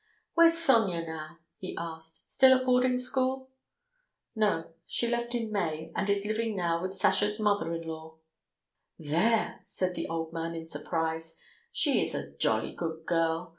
"Where's Sonya now?" he asked. "Still at boarding school?" "No, she left in May, and is living now with Sasha's mother in law." "There!" said the old man in surprise. "She is a jolly good girl!